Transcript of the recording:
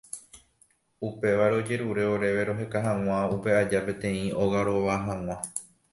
Upévare ojerure oréve roheka hag̃ua upe aja peteĩ óga rova hag̃ua.